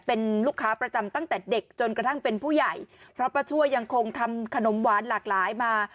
เป็นลูกค้าประจำตั้งแต่เด็กจนกระทั่งเป็นผู้ใหญ่เพราะป้าช่วยยังคงทำขนมหวานหลากหลายมา